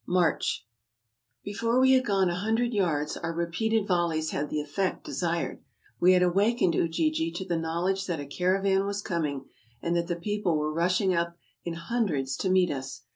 MARCH ! Before we had gone a hundred yards, our repeated vol leys had the effect desired. We had awakened Ujiji to the knowledge that a caravan was coming, and the people were rushing up in hundreds to meet us.